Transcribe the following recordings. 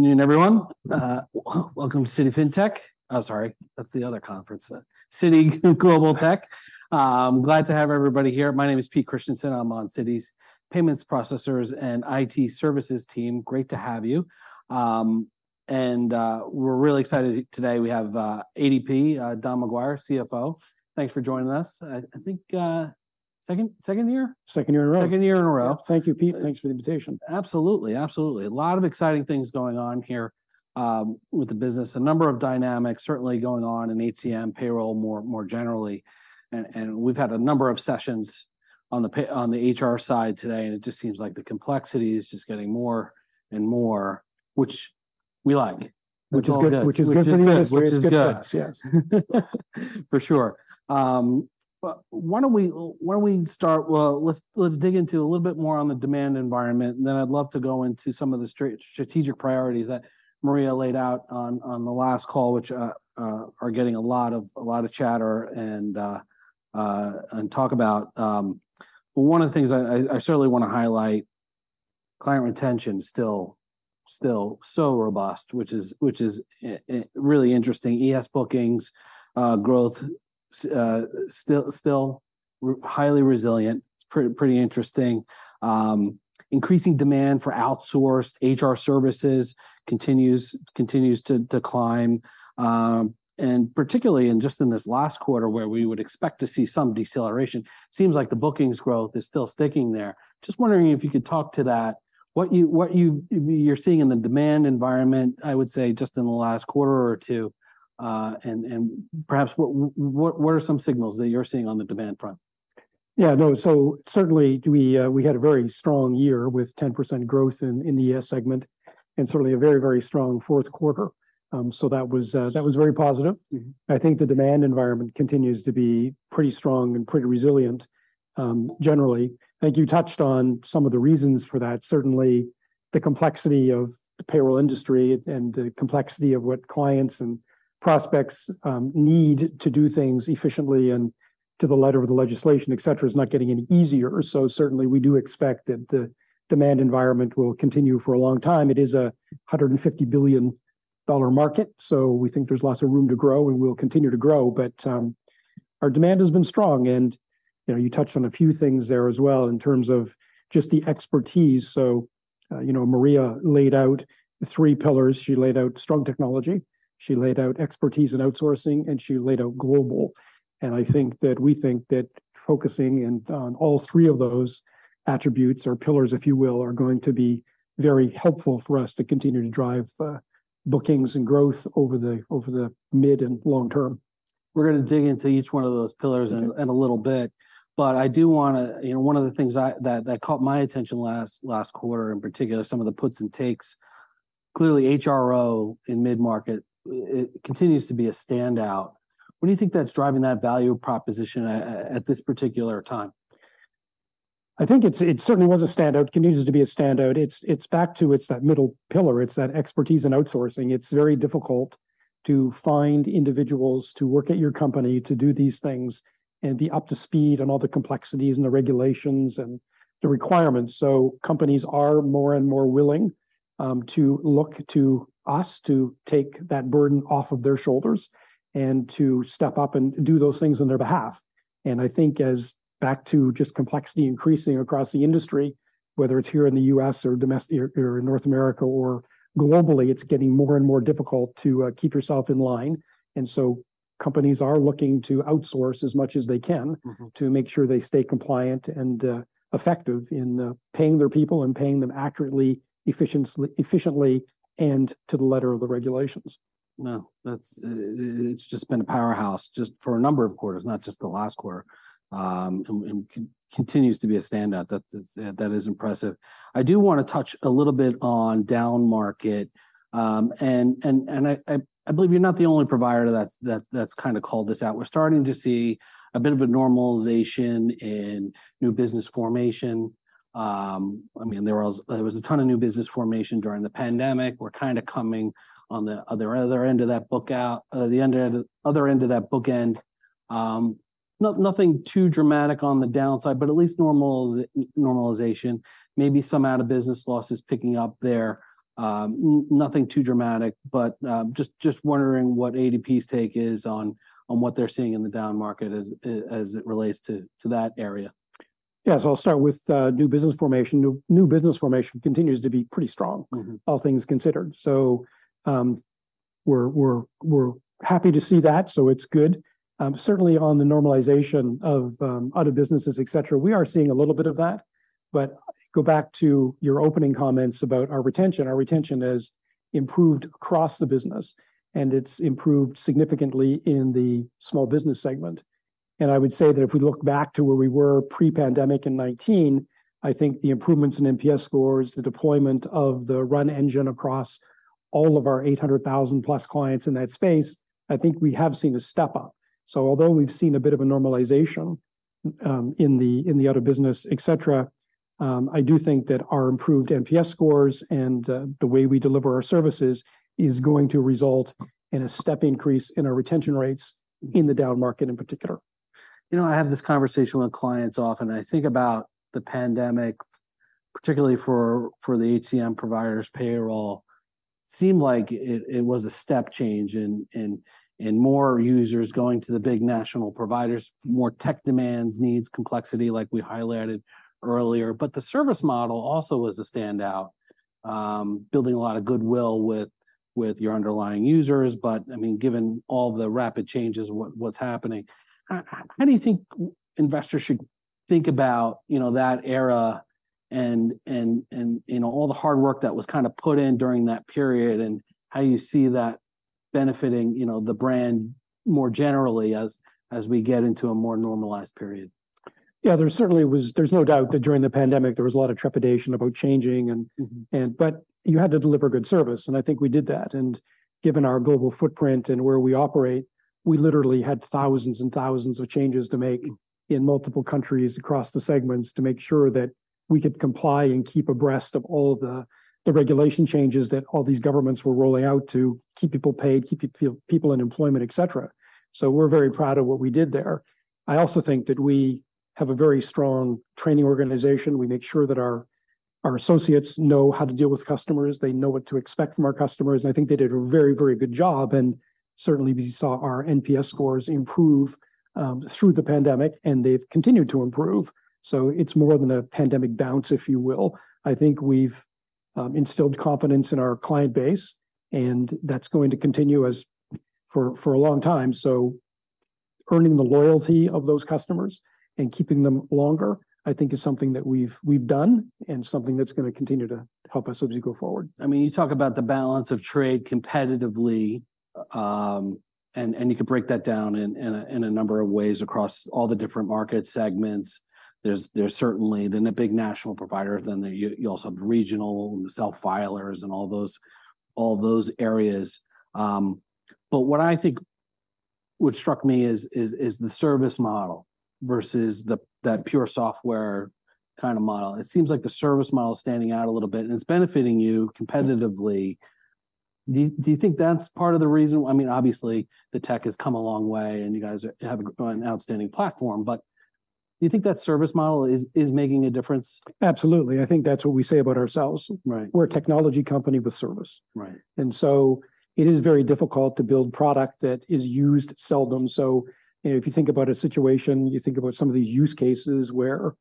Good afternoon, everyone. Welcome to Citi FinTech. Oh, sorry, that's the other conference. Citi Global Tech. Glad to have everybody here. My name is Pete Christiansen. I'm on Citi's Payments Processors and IT Services team. Great to have you. We're really excited today. We have ADP, Don McGuire, CFO. Thanks for joining us. I think second year? Second year in a row. Second year in a row. Thank you, Pete. Thanks for the invitation. Absolutely. Absolutely. A lot of exciting things going on here with the business. A number of dynamics certainly going on in HCM payroll, more generally, and we've had a number of sessions on the HR side today, and it just seems like the complexity is just getting more and more, which we like. Which is good. Which is good for business- Which is good for business.... which is good. Yes. For sure. But why don't we start. Well, let's dig into a little bit more on the demand environment, and then I'd love to go into some of the strategic priorities that Maria laid out on the last call, which are getting a lot of chatter, and talk about. One of the things I certainly want to highlight, client retention still so robust, which is really interesting. ES bookings growth still highly resilient. It's pretty interesting. Increasing demand for outsourced HR services continues to decline. And particularly in just this last quarter, where we would expect to see some deceleration, seems like the bookings growth is still sticking there. Just wondering if you could talk to that, what you're seeing in the demand environment, I would say, just in the last quarter or two, and perhaps what are some signals that you're seeing on the demand front? Yeah, no, so certainly we had a very strong year with 10% growth in the ES segment, and certainly a very, very strong fourth quarter. So that was very positive. I think the demand environment continues to be pretty strong and pretty resilient, generally. I think you touched on some of the reasons for that. Certainly, the complexity of the payroll industry and the complexity of what clients and prospects need to do things efficiently and to the letter of the legislation, et cetera, is not getting any easier. So certainly we do expect that the demand environment will continue for a long time. It is a $150 billion market, so we think there's lots of room to grow, and we'll continue to grow. But our demand has been strong, and you know, you touched on a few things there as well in terms of just the expertise. So you know, Maria laid out three pillars. She laid out strong technology, she laid out expertise in outsourcing, and she laid out global. And I think that we think that focusing in on all three of those attributes, or pillars, if you will, are going to be very helpful for us to continue to drive bookings and growth over the mid and long term. We're going to dig into each one of those pillars in a little bit, but I do want to... You know, one of the things that caught my attention last quarter, in particular, some of the puts and takes, clearly HRO in mid-market, it continues to be a standout. What do you think that's driving that value proposition at this particular time? I think it's, it certainly was a standout, continues to be a standout. It's, it's back to it's that middle pillar. It's that expertise in outsourcing. It's very difficult to find individuals to work at your company to do these things and be up to speed on all the complexities, and the regulations, and the requirements. So companies are more and more willing to look to us to take that burden off of their shoulders and to step up and do those things on their behalf. And I think as back to just complexity increasing across the industry, whether it's here in the US or domestic, or, or in North America or globally, it's getting more and more difficult to keep yourself in line. And so companies are looking to outsource as much as they can- Mm-hmm... to make sure they stay compliant and effective in paying their people and paying them accurately, efficiently, and to the letter of the regulations. Well, that's just been a powerhouse just for a number of quarters, not just the last quarter, and continues to be a standout. That is impressive. I do want to touch a little bit on downmarket. I believe you're not the only provider that's kind of called this out. We're starting to see a bit of a normalization in new business formation. I mean, there was a ton of new business formation during the pandemic. We're kind of coming on the other end of that bookend. Nothing too dramatic on the downside, but at least normalization, maybe some out-of-business losses picking up there. Nothing too dramatic, but just, just wondering what ADP's take is on what they're seeing in the downmarket as it relates to that area. I'll start with new business formation. New business formation continues to be pretty strong- Mm-hmm... all things considered. So, we're happy to see that, so it's good. Certainly on the normalization of out-of-businesses, et cetera, we are seeing a little bit of that. But go back to your opening comments about our retention. Our retention has improved across the business, and it's improved significantly in the small business segment. And I would say that if we look back to where we were pre-pandemic in 2019, I think the improvements in NPS scores, the deployment of the RUN engine across all of our 800,000 plus clients in that space, I think we have seen a step up. So although we've seen a bit of a normalization, in the out-of-business, et cetera, I do think that our improved NPS scores and the way we deliver our services is going to result in a step increase in our retention rates in the downmarket in particular. You know, I have this conversation with clients often, and I think about the pandemic, particularly for the HCM providers, payroll seemed like it was a step change in more users going to the big national providers, more tech demands, needs, complexity, like we highlighted earlier. But the service model also was a standout, building a lot of goodwill with your underlying users. But, I mean, given all the rapid changes, what's happening, how do you think investors should think about, you know, that era and, you know, all the hard work that was kind of put in during that period, and how you see that benefiting, you know, the brand more generally as we get into a more normalized period? Yeah, there certainly was. There's no doubt that during the pandemic there was a lot of trepidation about changing and- Mm-hmm... but you had to deliver good service, and I think we did that. And given our global footprint and where we operate, we literally had thousands and thousands of changes to make in multiple countries across the segments to make sure that we could comply and keep abreast of all the regulation changes that all these governments were rolling out to keep people paid, keep people in employment, et cetera. So we're very proud of what we did there. I also think that we have a very strong training organization. We make sure that our associates know how to deal with customers, they know what to expect from our customers, and I think they did a very, very good job. And certainly we saw our NPS scores improve through the pandemic, and they've continued to improve. So it's more than a pandemic bounce, if you will. I think we've instilled confidence in our client base, and that's going to continue as for a long time. So earning the loyalty of those customers and keeping them longer, I think is something that we've done and something that's going to continue to help us as we go forward. I mean, you talk about the balance of trade competitively, and you can break that down in a number of ways across all the different market segments. There's certainly the big national provider, then you also have the regional, the self-filers, and all those areas. But what I think struck me is the service model versus that pure software kind of model. It seems like the service model is standing out a little bit, and it's benefiting you competitively. Do you think that's part of the reason? I mean, obviously, the tech has come a long way, and you guys have an outstanding platform, but do you think that service model is making a difference? Absolutely. I think that's what we say about ourselves. Right. We're a technology company with service. Right. It is very difficult to build product that is used seldom. So, you know, if you think about a situation, you think about some of these use cases where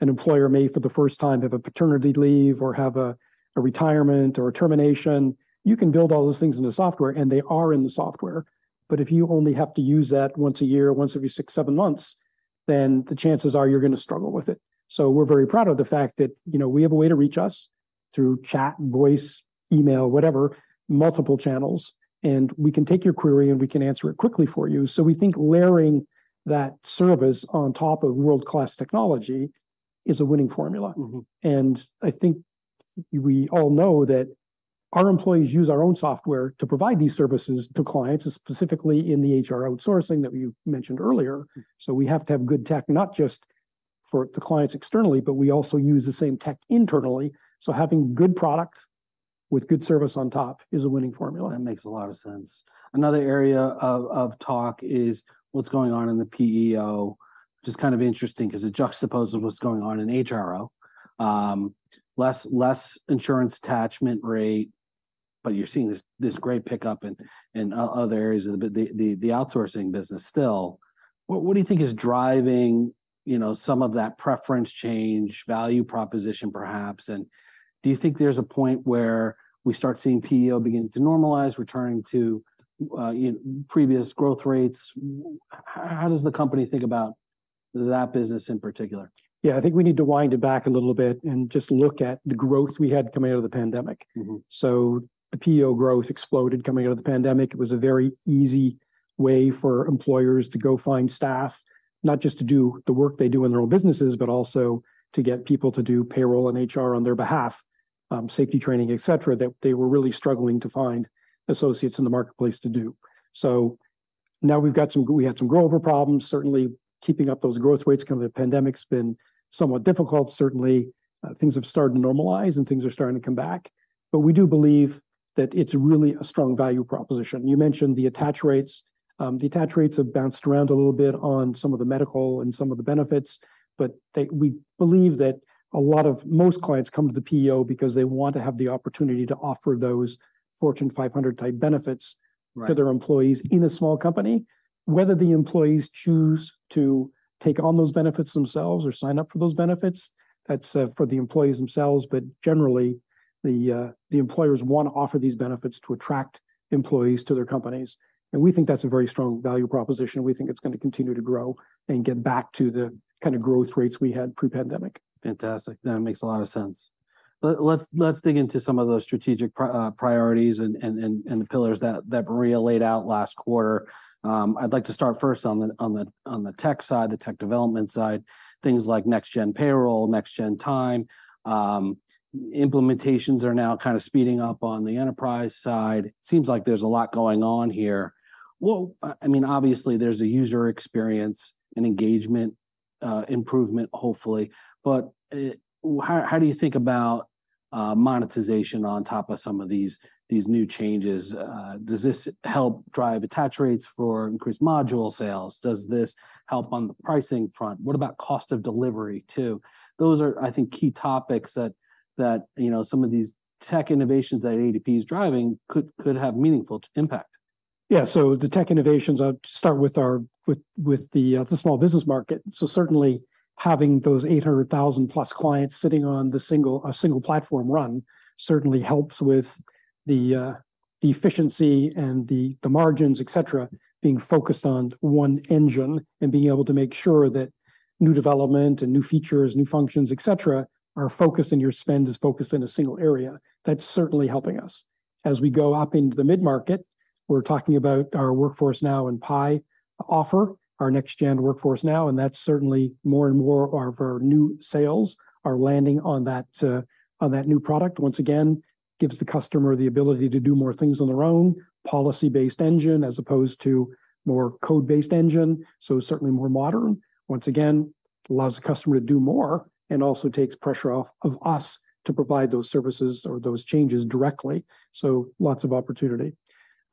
an employer may, for the first time, have a paternity leave or have a retirement or a termination. You can build all those things in the software, and they are in the software. But if you only have to use that once a year, once every six, seven months, then the chances are you're going to struggle with it. So we're very proud of the fact that, you know, we have a way to reach us through chat, voice, email, whatever, multiple channels, and we can take your query, and we can answer it quickly for you. So we think layering that service on top of world-class technology is a winning formula. Mm-hmm. I think we all know that our employees use our own software to provide these services to clients, specifically in the HR outsourcing that we mentioned earlier. We have to have good tech, not just for the clients externally, but we also use the same tech internally. Having good products with good service on top is a winning formula. It makes a lot of sense. Another area of talk is what's going on in the PEO, which is kind of interesting because it juxtaposes what's going on in HRO. Less insurance attachment rate, but you're seeing this great pickup in other areas of the outsourcing business still. What do you think is driving, you know, some of that preference change, value proposition perhaps, and do you think there's a point where we start seeing PEO beginning to normalize, returning to, you know, previous growth rates? How does the company think about that business in particular? Yeah, I think we need to wind it back a little bit and just look at the growth we had coming out of the pandemic. Mm-hmm. So the PEO growth exploded coming out of the pandemic. It was a very easy way for employers to go find staff, not just to do the work they do in their own businesses, but also to get people to do payroll and HR on their behalf, safety training, et cetera, that they were really struggling to find associates in the marketplace to do. So now we've got some, we had some growth-over problems. Certainly, keeping up those growth rates coming out of the pandemic's been somewhat difficult. Certainly, things have started to normalize, and things are starting to come back, but we do believe that it's really a strong value proposition. You mentioned the attach rates. The attach rates have bounced around a little bit on some of the medical and some of the benefits, but we believe that a lot of, most clients come to the PEO because they want to have the opportunity to offer those Fortune 500 type benefits- Right... to their employees in a small company. Whether the employees choose to take on those benefits themselves or sign up for those benefits, that's for the employees themselves. But generally, the employers want to offer these benefits to attract employees to their companies, and we think that's a very strong value proposition. We think it's going to continue to grow and get back to the kind of growth rates we had pre-pandemic. Fantastic. That makes a lot of sense. Let's dig into some of those strategic priorities and the pillars that Maria laid out last quarter. I'd like to start first on the tech side, the tech development side, things like next-gen payroll, next-gen time. Implementations are now kind of speeding up on the enterprise side. Seems like there's a lot going on here. Well, I mean, obviously there's a user experience and engagement improvement, hopefully. But how do you think about monetization on top of some of these new changes. Does this help drive attach rates for increased module sales? Does this help on the pricing front? What about cost of delivery, too? Those are, I think, key topics that, you know, some of these tech innovations that ADP is driving could have meaningful impact. Yeah. So the tech innovations, I'll start with our, with the small business market. So certainly, having those 800,000+ clients sitting on the single platform, RUN, certainly helps with the efficiency and the margins, et cetera, being focused on one engine, and being able to make sure that new development and new features, new functions, et cetera, are focused, and your spend is focused in a single area. That's certainly helping us. As we go up into the mid-market, we're talking about our Workforce Now and PEO offer, our next-gen Workforce Now, and that's certainly more and more of our new sales are landing on that new product. Once again, gives the customer the ability to do more things on their own, policy-based engine as opposed to more code-based engine, so certainly more modern. Once again, allows the customer to do more, and also takes pressure off of us to provide those services or those changes directly. So lots of opportunity.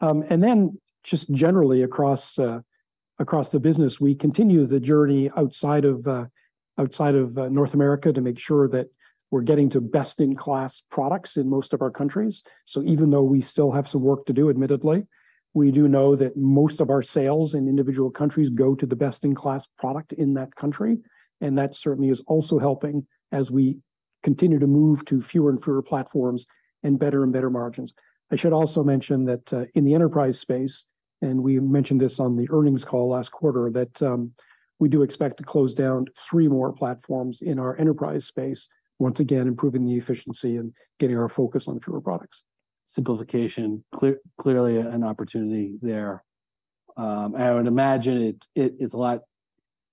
And then just generally across the business, we continue the journey outside of North America to make sure that we're getting to best-in-class products in most of our countries. So even though we still have some work to do, admittedly, we do know that most of our sales in individual countries go to the best-in-class product in that country, and that certainly is also helping as we continue to move to fewer and fewer platforms and better and better margins. I should also mention that, in the enterprise space, and we mentioned this on the earnings call last quarter, that, we do expect to close down three more platforms in our enterprise space, once again, improving the efficiency and getting our focus on fewer products. Simplification, clearly an opportunity there. I would imagine it is a lot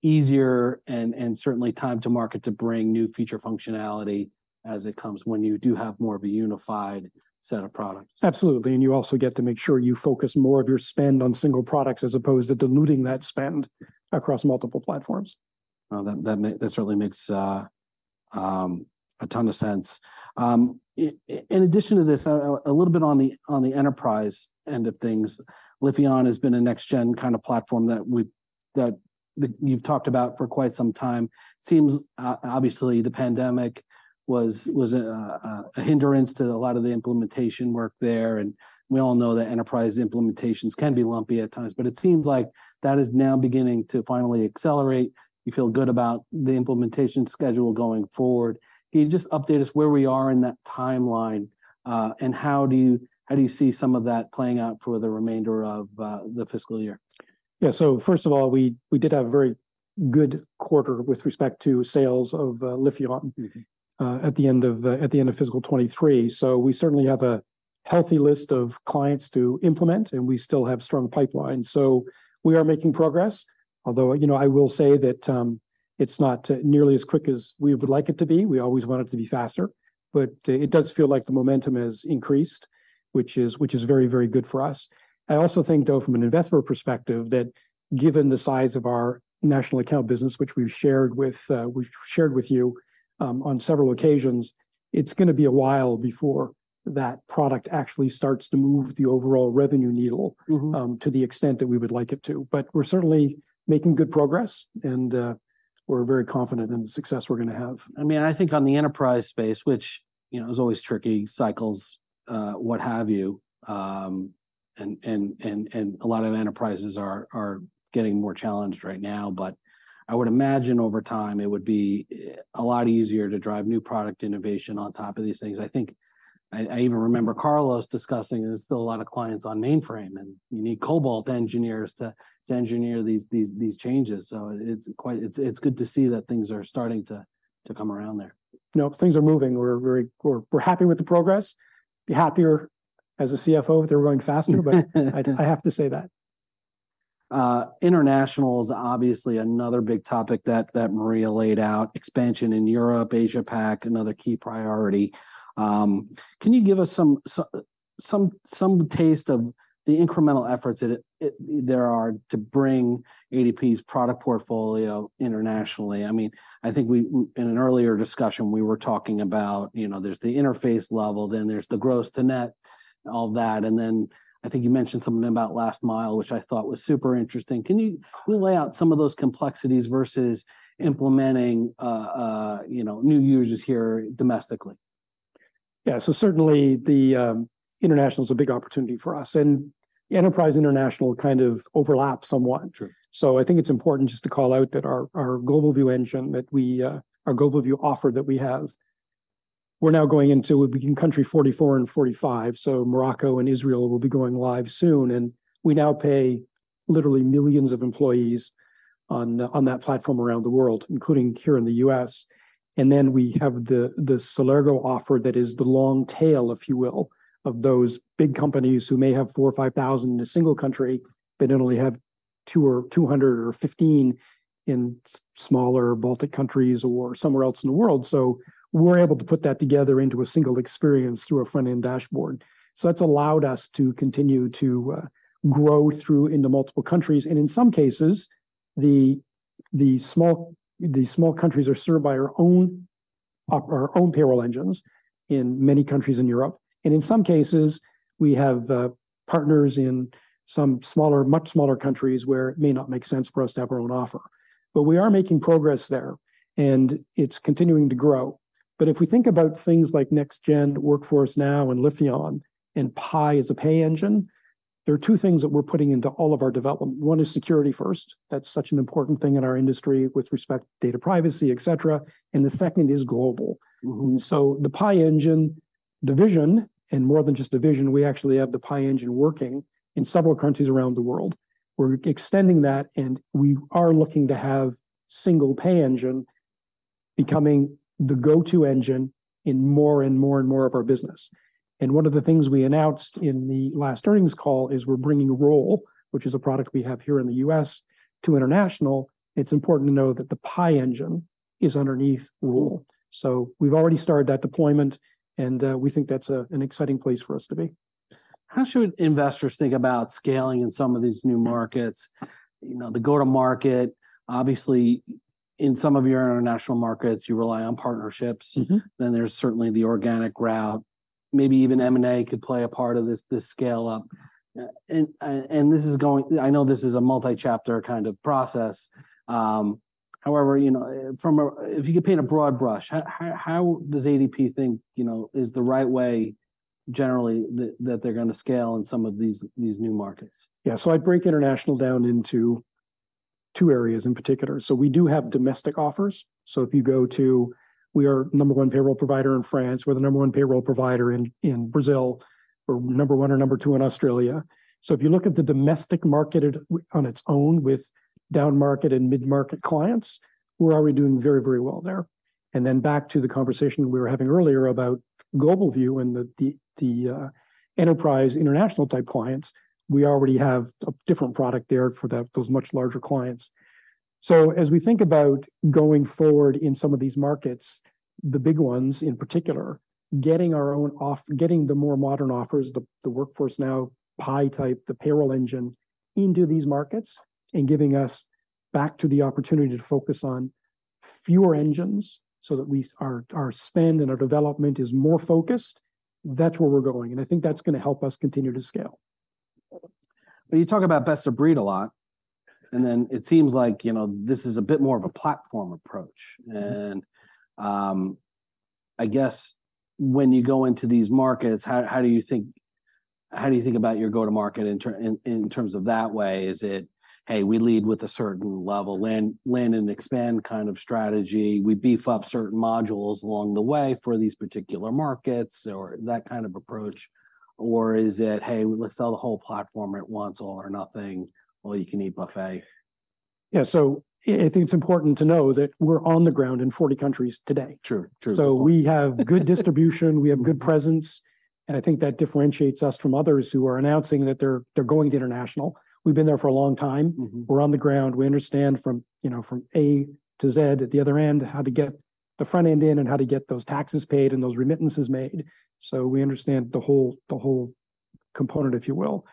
easier and certainly time to market to bring new feature functionality as it comes, when you do have more of a unified set of products. Absolutely. And you also get to make sure you focus more of your spend on single products, as opposed to diluting that spend across multiple platforms. Well, that, that, that certainly makes a ton of sense. In addition to this, a little bit on the enterprise end of things, Lifion has been a next gen kind of platform that you've talked about for quite some time. Seems obviously, the pandemic was a hindrance to a lot of the implementation work there, and we all know that enterprise implementations can be lumpy at times, but it seems like that is now beginning to finally accelerate. You feel good about the implementation schedule going forward. Can you just update us where we are in that timeline, and how do you see some of that playing out for the remainder of the fiscal year? Yeah. So first of all, we did have a very good quarter with respect to sales of Lifion- Mm-hmm... at the end of fiscal 2023. So we certainly have a healthy list of clients to implement, and we still have strong pipeline. So we are making progress, although, you know, I will say that, it's not nearly as quick as we would like it to be. We always want it to be faster, but, it does feel like the momentum has increased, which is very, very good for us. I also think, though, from an investor perspective, that given the size of our national account business, which we've shared with you on several occasions, it's gonna be a while before that product actually starts to move the overall revenue needle- Mm-hmm... to the extent that we would like it to. But we're certainly making good progress, and we're very confident in the success we're gonna have. I mean, I think on the enterprise space, which, you know, is always tricky, cycles, what have you, and a lot of enterprises are getting more challenged right now. But I would imagine over time, it would be a lot easier to drive new product innovation on top of these things. I think... I even remember Carlos discussing there's still a lot of clients on mainframe, and you need Cobalt engineers to engineer these changes. So it's good to see that things are starting to come around there. Nope, things are moving. We're very happy with the progress. Be hapPayr as a CFO if they were going faster, but I have to say that. International is obviously another big topic that Maria laid out. Expansion in Europe, Asia Pac, another key priority. Can you give us some taste of the incremental efforts that there are to bring ADP's product portfolio internationally? I mean, I think we, in an earlier discussion, we were talking about, you know, there's the interface level, then there's the gross to net, all that. And then I think you mentioned something about last mile, which I thought was super interesting. Can you lay out some of those complexities versus implementing, you know, new users here domestically? Yeah. So certainly the international is a big opportunity for us, and Enterprise International kind of overlap somewhat. True. So I think it's important just to call out that our, our GlobalView engine, that we, our GlobalView offer that we have, we're now going into country 44 and 45. So Morocco and Israel will be going live soon, and we now pay literally millions of employees on, on that platform around the world, including here in the U.S. And then we have the, the Celergo offer that is the long tail, if you will, of those big companies who may have four or five thousand in a single country, but only have two or 200 or 15 in smaller Baltic countries or somewhere else in the world. So we're able to put that together into a single experience through a front-end dashboard. So that's allowed us to continue to grow through into multiple countries, and in some cases, the-... The small countries are served by our own payroll engines in many countries in Europe. In some cases, we have partners in some smaller, much smaller countries where it may not make sense for us to have our own offer. We are making progress there, and it's continuing to grow. If we think about things like Next Gen, Workforce Now, and Lifion, and Pay as a pay engine, there are two things that we're putting into all of our development. One is security first. That's such an important thing in our industry with respect to data privacy, et cetera, and the second is global. Mm-hmm. The Pay engine division, and more than just a division, we actually have the Pay engine working in several countries around the world. We're extending that, and we are looking to have single pay engine becoming the go-to engine in more and more and more of our business. One of the things we announced in the last earnings call is we're bringing Roll, which is a product we have here in the U.S., to international. It's important to know that the Pay engine is underneath Roll. We've already started that deployment, and we think that's an exciting place for us to be. How should investors think about scaling in some of these new markets? You know, the go-to market, obviously, in some of your international markets, you rely on partnerships. Mm-hmm. Then there's certainly the organic route. Maybe even M&A could play a part of this scale-up. And this is going. I know this is a multi-chapter kind of process. However, you know, from a... If you could paint a broad brush, how does ADP think, you know, is the right way, generally, that they're going to scale in some of these new markets? Yeah. So I break international down into two areas in particular. So we do have domestic offers. So if you go to— We are number one payroll provider in France, we're the number one payroll provider in Brazil, we're number one or number two in Australia. So if you look at the domestic market on its own, with down-market and mid-market clients, we're already doing very, very well there. And then back to the conversation we were having earlier about GlobalView and the enterprise international-type clients, we already have a different product there for those much larger clients. So as we think about going forward in some of these markets, the big ones in particular, getting the more modern offers, the Workforce Now, Pay type, the payroll engine, into these markets, and giving us back to the opportunity to focus on fewer engines so that our spend and our development is more focused, that's where we're going, and I think that's going to help us continue to scale. But you talk about best of breed a lot, and then it seems like, you know, this is a bit more of a platform approach. Mm. I guess when you go into these markets, how do you think about your go-to market in terms of that way? Is it, "Hey, we lead with a certain level, land and expand kind of strategy. We beef up certain modules along the way for these particular markets," or that kind of approach? Or is it, "Hey, let's sell the whole platform at once, all or nothing, all-you-can-eat buffet? Yeah, so I think it's important to know that we're on the ground in 40 countries today. True, true. We have good distribution, we have good presence, and I think that differentiates us from others who are announcing that they're, they're going to international. We've been there for a long time. Mm-hmm. We're on the ground. We understand from, you know, from A to Z, at the other end, how to get the front end in, and how to get those taxes paid and those remittances made. So we understand the whole, the whole component, if you will.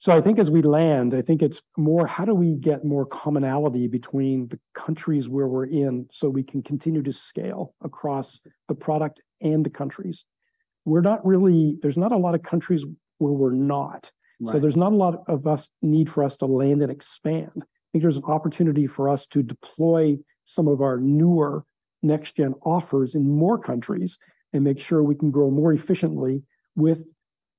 So I think as we land, I think it's more, how do we get more commonality between the countries where we're in, so we can continue to scale across the product and the countries? We're not really. There's not a lot of countries where we're not. Right. There's not a lot of need for us to land and expand. I think there's an opportunity for us to deploy some of our newer next-gen offers in more countries and make sure we can grow more efficiently with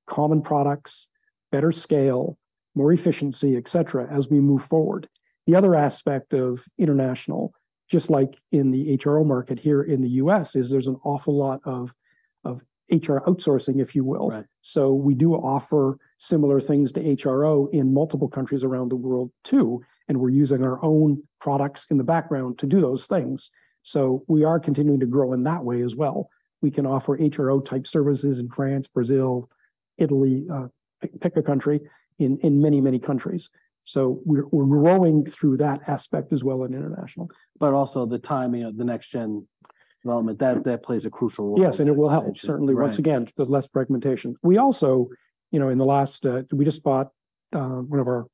common products, better scale, more efficiency, et cetera, as we move forward. The other aspect of international, just like in the HRO market here in the U.S., is there's an awful lot of HR outsourcing, if you will. Right. So we do offer similar things to HRO in multiple countries around the world, too, and we're using our own products in the background to do those things. So we are continuing to grow in that way as well. We can offer HRO-type services in France, Brazil, Italy, pick a country, in many, many countries. So we're growing through that aspect as well in international. But also the timing of the next-gen development, that, that plays a crucial role- Yes, and it will help, certainly- Right... once again, the less fragmentation. We also, you know, in the last... We just bought one of our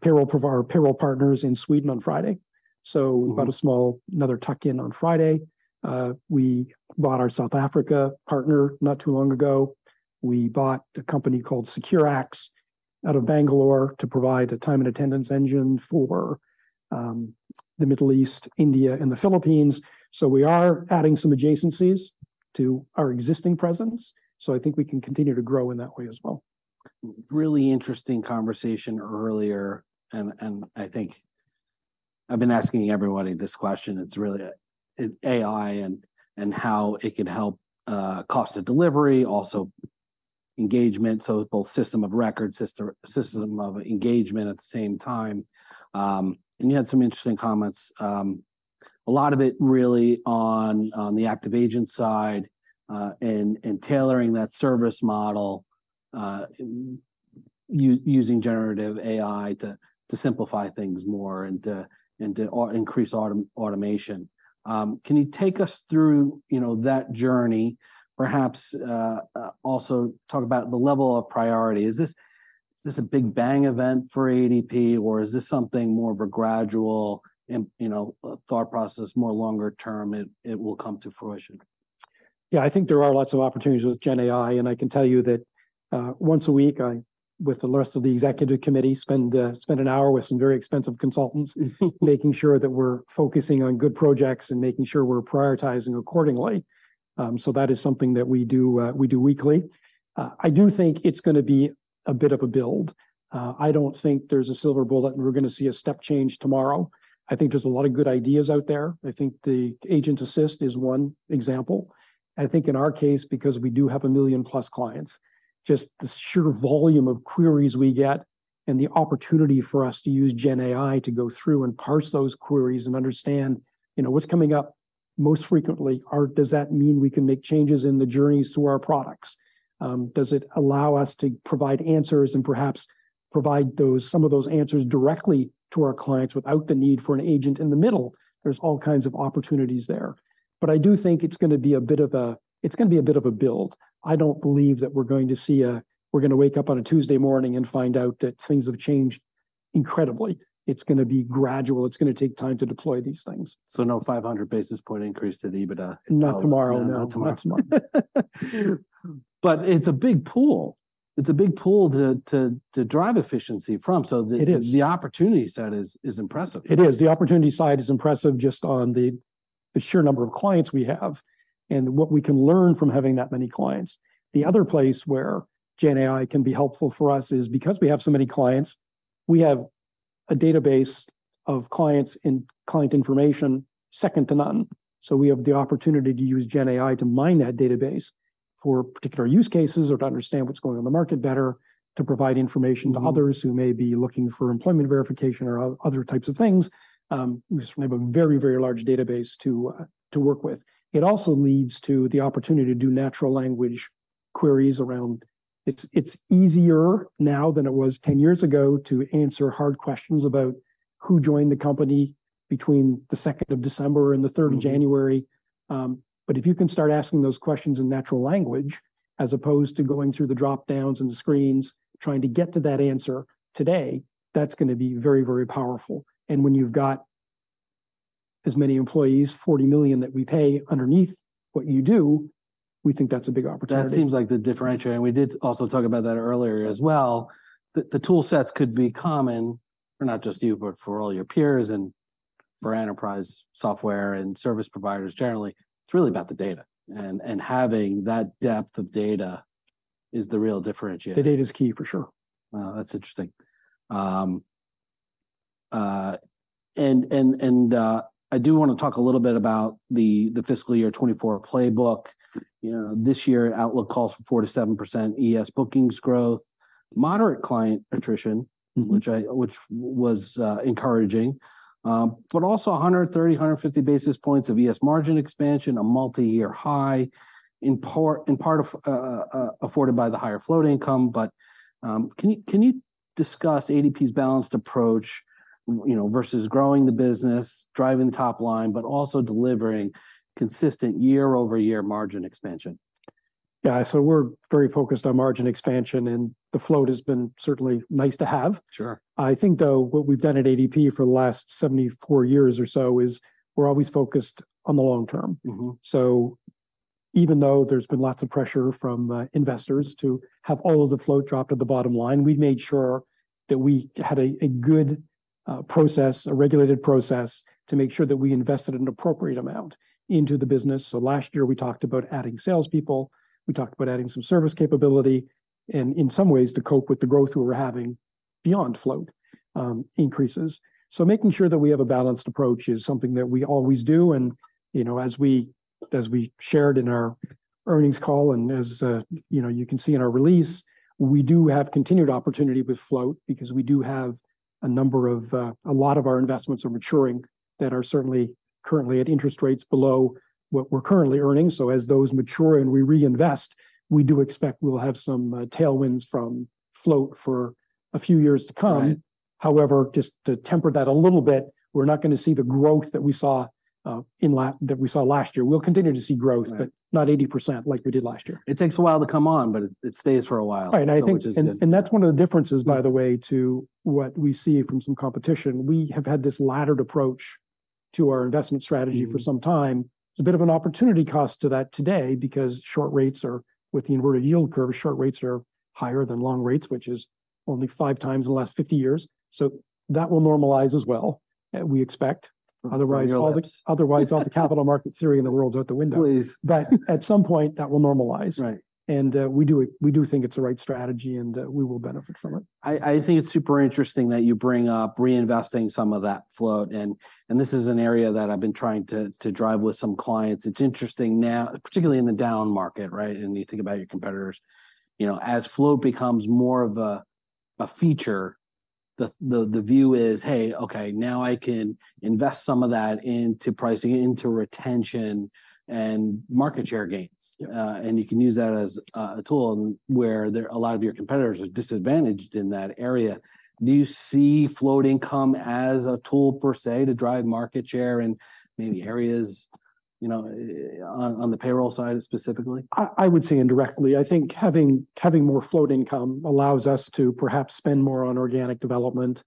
payroll partners in Sweden on Friday. Mm. So about a small, another tuck-in on Friday. We bought our South Africa partner not too long ago. We bought a company called Securax out of Bangalore to provide a time and attendance engine for, the Middle East, India, and the Philippines. So we are adding some adjacencies to our existing presence, so I think we can continue to grow in that way as well. Really interesting conversation earlier, and I think I've been asking everybody this question. It's really in AI and how it can help cost of delivery, also engagement, so both system of record, system of engagement at the same time. And you had some interesting comments, a lot of it really on the active agent side, and tailoring that service model, using generative AI to simplify things more and to increase automation. Can you take us through, you know, that journey? Perhaps also talk about the level of priority. Is this a big bang event for ADP, or is this something more of a gradual, you know, a thought process, more longer term, it will come to fruition?... Yeah, I think there are lots of opportunities with GenAI, and I can tell you that, once a week, I, with the rest of the executive committee, spend, spend an hour with some very expensive consultants, making sure that we're focusing on good projects and making sure we're prioritizing accordingly. So that is something that we do, we do weekly. I do think it's gonna be a bit of a build. I don't think there's a silver bullet, and we're gonna see a step change tomorrow. I think there's a lot of good ideas out there. I think the Agent Assist is one example. I think in our case, because we do have 1 million-plus clients, just the sheer volume of queries we get and the opportunity for us to use GenAI to go through and parse those queries and understand, you know, what's coming up most frequently. Does that mean we can make changes in the journeys to our products? Does it allow us to provide answers and perhaps provide those, some of those answers directly to our clients without the need for an agent in the middle? There's all kinds of opportunities there. But I do think it's gonna be a bit of a, it's gonna be a bit of a build. I don't believe that we're going to see, we're gonna wake up on a Tuesday morning and find out that things have changed incredibly. It's gonna be gradual. It's gonna take time to deploy these things. No 500 basis point increase to the EBITDA? Not tomorrow, no. Not tomorrow, next month. But it's a big pool. It's a big pool to drive efficiency from, so- It is... the opportunity set is impressive. It is. The opportunity side is impressive just on the sheer number of clients we have and what we can learn from having that many clients. The other place where GenAI can be helpful for us is because we have so many clients, we have a database of clients and client information second to none. So we have the opportunity to use GenAI to mine that database for particular use cases or to understand what's going on in the market better, to provide information- Mm-hmm... to others who may be looking for employment verification or other types of things. We have a very, very large database to work with. It also leads to the opportunity to do natural language queries around... It's easier now than it was 10 years ago to answer hard questions about who joined the company between the second of December and the third of January. Mm-hmm. But if you can start asking those questions in natural language, as opposed to going through the drop-downs and the screens, trying to get to that answer, today, that's gonna be very, very powerful. And when you've got as many employees, 40 million, that we pay underneath what you do, we think that's a big opportunity. That seems like the differentiator, and we did also talk about that earlier as well. Yes. The tool sets could be common for not just you, but for all your peers and for enterprise software and service providers generally. It's really about the data, and having that depth of data is the real differentiator. The data is key, for sure. Wow, that's interesting. I do wanna talk a little bit about the fiscal year 2024 playbook. You know, this year, outlook calls for 4%-7% ES bookings growth, moderate client attrition- Mm-hmm... which was encouraging. But also 150 basis points of ES margin expansion, a multi-year high, in part afforded by the higher float income. But, can you discuss ADP's balanced approach, you know, versus growing the business, driving the top line, but also delivering consistent year-over-year margin expansion? Yeah. So we're very focused on margin expansion, and the float has been certainly nice to have. Sure. I think, though, what we've done at ADP for the last 74 years or so is we're always focused on the long term. Mm-hmm. So even though there's been lots of pressure from investors to have all of the float dropped at the bottom line, we've made sure that we had a good process, a regulated process, to make sure that we invested an appropriate amount into the business. So last year we talked about adding salespeople, we talked about adding some service capability, and in some ways, to cope with the growth we were having beyond float increases. So making sure that we have a balanced approach is something that we always do, and, you know, as we shared in our earnings call and as, you know, you can see in our release, we do have continued opportunity with float because we do have a number of, a lot of our investments are maturing that are certainly currently at interest rates below what we're currently earning. So as those mature and we reinvest, we do expect we'll have some, tailwinds from float for a few years to come. Right. However, just to temper that a little bit, we're not gonna see the growth that we saw that we saw last year. We'll continue to see growth- Right... but not 80% like we did last year. It takes a while to come on, but it, it stays for a while. I think- Which is, yeah.... and that's one of the differences, by the way, to what we see from some competition. We have had this laddered approach to our investment strategy- Mm-hmm... for some time. It's a bit of an opportunity cost to that today because short rates are, with the inverted yield curve, short rates are higher than long rates, which is only five times in the last 50 years. So that will normalize as well, we expect. We know that. Otherwise, all the capital market theory in the world's out the window. Please. But at some point, that will normalize. Right. We do it, we do think it's the right strategy, and we will benefit from it. I think it's super interesting that you bring up reinvesting some of that float, and this is an area that I've been trying to drive with some clients. It's interesting now, particularly in the down market, right? And you think about your competitors, you know, as float becomes more of a feature, the view is, hey, okay, now I can invest some of that into pricing, into retention, and market share gains. Yeah. And you can use that as a tool, and where there a lot of your competitors are disadvantaged in that area. Do you see Float Income as a tool per se, to drive market share in maybe areas, you know, on, on the payroll side specifically? I would say indirectly. I think having more float income allows us to perhaps spend more on organic development,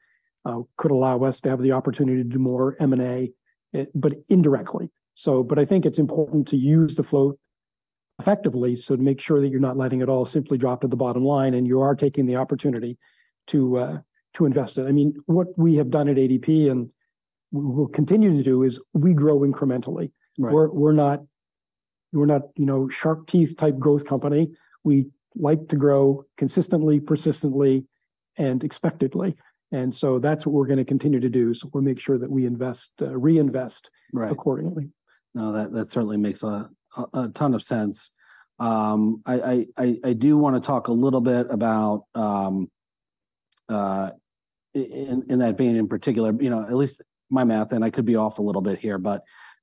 could allow us to have the opportunity to do more M&A, but indirectly. So, but I think it's important to use the float as effectively, so to make sure that you're not letting it all simply drop to the bottom line, and you are taking the opportunity to invest it. I mean, what we have done at ADP, and we'll continue to do, is we grow incrementally. Right. We're not, you know, shark teeth type growth company. We like to grow consistently, persistently, and expectedly, and so that's what we're gonna continue to do. So we'll make sure that we invest, reinvest- Right... accordingly. No, that certainly makes a ton of sense. I do wanna talk a little bit about in that vein, in particular, you know, at least my math, and I could be off a little bit here,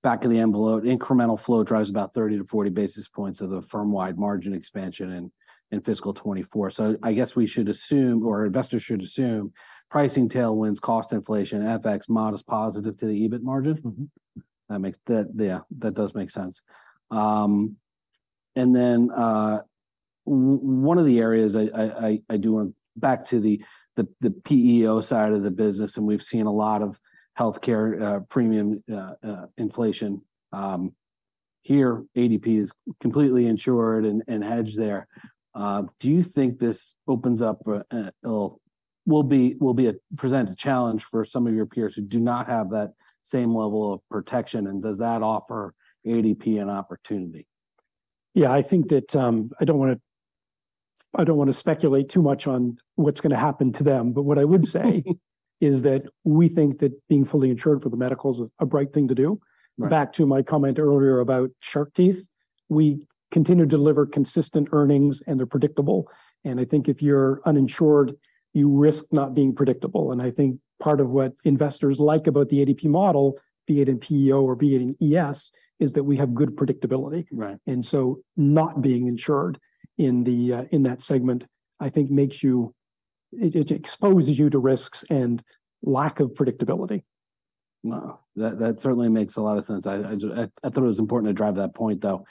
but back of the envelope, incremental flow drives about 30-40 basis points of the firm-wide margin expansion in fiscal 2024. So I guess we should assume, or investors should assume, pricing tailwinds, cost inflation, FX modest positive to the EBIT margin? Mm-hmm. That makes... That, yeah, that does make sense. I do want... Back to the PEO side of the business, and we've seen a lot of healthcare premium inflation. Here, ADP is completely insured and hedged there. Do you think this opens up a little—will be, will be a—present a challenge for some of your peers who do not have that same level of protection, and does that offer ADP an opportunity? Yeah, I think that, I don't wanna speculate too much on what's gonna happen to them. But what I would say is that we think that being fully insured for the medicals is a bright thing to do. Right. Back to my comment earlier about shark teeth, we continue to deliver consistent earnings, and they're predictable, and I think if you're uninsured, you risk not being predictable. And I think part of what investors like about the ADP model, be it in PEO or be it in ES, is that we have good predictability. Right. And so not being insured in the, in that segment, I think makes you... It, it exposes you to risks and lack of predictability. Wow, that certainly makes a lot of sense. I thought it was important to drive that point, though.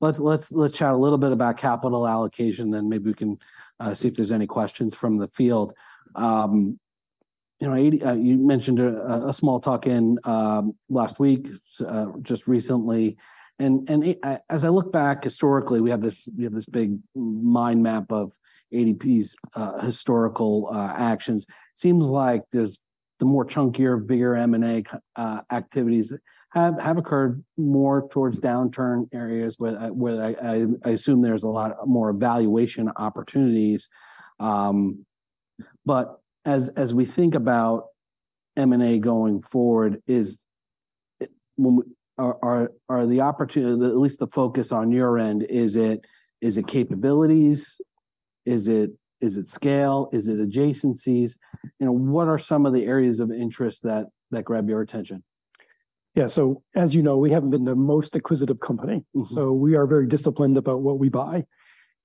Let's chat a little bit about capital allocation, then maybe we can see if there's any questions from the field. You know, ADP, you mentioned a small talk in last week, just recently, and, as I look back historically, we have this big mind map of ADP's historical actions. Seems like the more chunkier, bigger M&A activities have occurred more towards downturn areas, where I assume there's a lot more valuation opportunities. But as we think about M&A going forward, is the opportunity, at least the focus on your end, is it capabilities? Is it, is it scale? Is it adjacencies? You know, what are some of the areas of interest that, that grab your attention? Yeah, so as you know, we haven't been the most acquisitive company. Mm-hmm. So we are very disciplined about what we buy.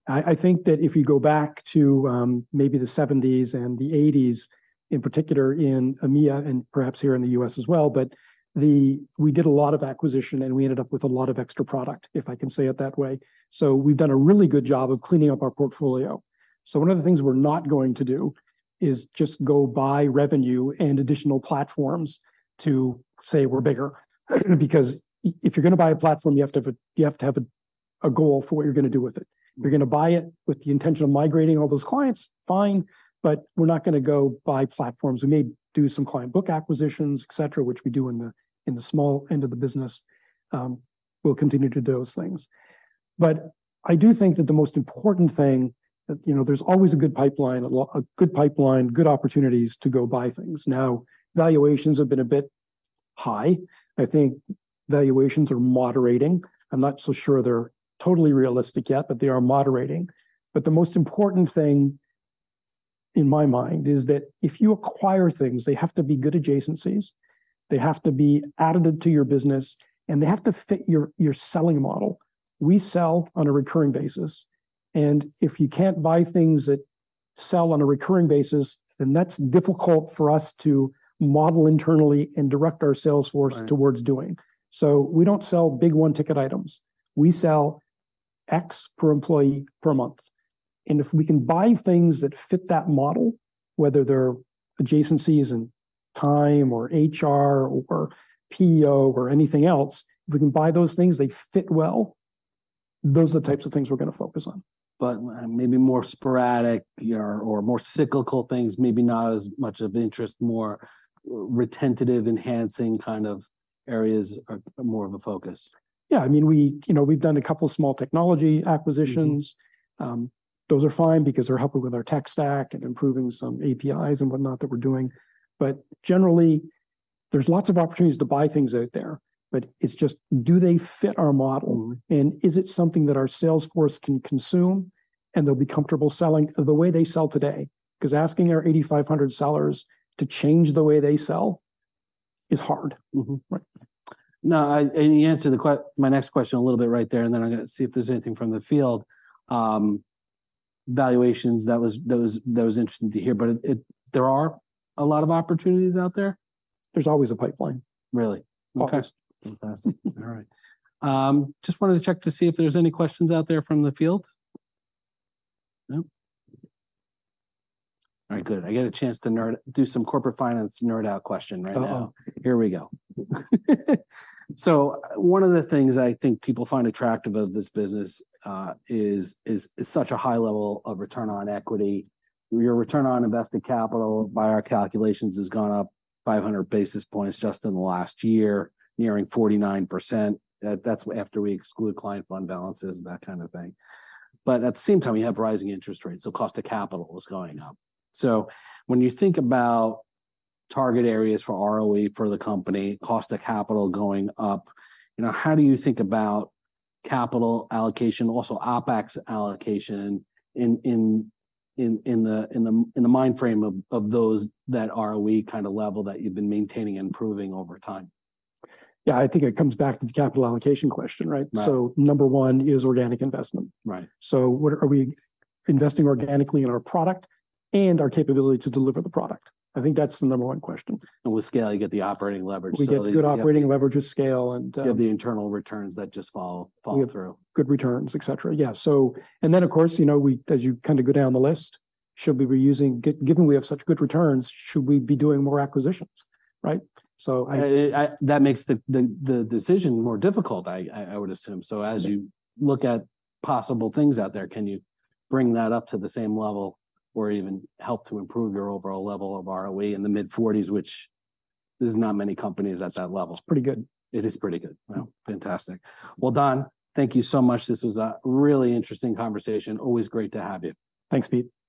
I, I think that if you go back to, maybe the 1970s and the 1980s, in particular in EMEA and perhaps here in the U.S. as well, but we did a lot of acquisition, and we ended up with a lot of extra product, if I can say it that way. So we've done a really good job of cleaning up our portfolio. So one of the things we're not going to do is just go buy revenue and additional platforms to say we're bigger. Because if you're gonna buy a platform, you have to have a, you have to have a, a goal for what you're gonna do with it. If you're gonna buy it with the intention of migrating all those clients, fine, but we're not gonna go buy platforms. We may do some client book acquisitions, et cetera, which we do in the small end of the business. We'll continue to do those things. But I do think that the most important thing that, you know, there's always a good pipeline, good opportunities to go buy things. Now, valuations have been a bit high. I think valuations are moderating. I'm not so sure they're totally realistic yet, but they are moderating. But the most important thing, in my mind, is that if you acquire things, they have to be good adjacencies, they have to be additive to your business, and they have to fit your selling model. We sell on a recurring basis, and if you can't buy things that sell on a recurring basis, then that's difficult for us to model internally and direct our sales force- Right... towards doing. So we don't sell big, one-ticket items. We sell X per employee per month, and if we can buy things that fit that model, whether they're adjacencies in time or HR or PEO or anything else, if we can buy those things, they fit well. Those are the types of things we're gonna focus on. But maybe more sporadic, you know, or more cyclical things, maybe not as much of interest, more retentive, enhancing kind of areas are more of a focus. Yeah. I mean, you know, we've done a couple small technology acquisitions. Mm-hmm. Those are fine because they're helping with our tech stack and improving some APIs and whatnot that we're doing. But generally, there's lots of opportunities to buy things out there. But it's just, do they fit our model, and is it something that our sales force can consume, and they'll be comfortable selling the way they sell today? 'Cause asking our 8,500 sellers to change the way they sell is hard. Mm-hmm. Right. Now, and you answered my next question a little bit right there, and then I'm gonna see if there's anything from the field. Valuations, that was interesting to hear, but it, there are a lot of opportunities out there? There's always a pipeline. Really? Always. Okay. Fantastic. All right. Just wanted to check to see if there's any questions out there from the field. Nope. All right, good. I get a chance to nerd- do some corporate finance nerd-out question right now. Uh-oh. Here we go. So one of the things I think people find attractive of this business is such a high level of return on equity. Your return on invested capital, by our calculations, has gone up 500 basis points just in the last year, nearing 49%. That's after we exclude client fund balances, and that kind of thing. But at the same time, you have rising interest rates, so cost of capital is going up. So when you think about target areas for ROE, for the company, cost of capital going up, you know, how do you think about capital allocation, also OpEx allocation in the time frame of those that ROE kind of level that you've been maintaining and improving over time? Yeah, I think it comes back to the capital allocation question, right? Right. Number one is organic investment. Right. So, what are we investing organically in our product and our capability to deliver the product? I think that's the number one question. With scale, you get the operating leverage, so- We get good operating leverage with scale, and You have the internal returns that just fall- We have-... fall through... good returns, et cetera. Yeah, so... And then, of course, you know, we, as you kind of go down the list, should we be using... Given we have such good returns, should we be doing more acquisitions? Right. So I- That makes the decision more difficult. I would assume. Right. As you look at possible things out there, can you bring that up to the same level or even help to improve your overall level of ROE in the mid-forties, which there's not many companies at that level? It's pretty good. It is pretty good. Well, fantastic. Well, Don, thank you so much. This was a really interesting conversation. Always great to have you. Thanks, Pete.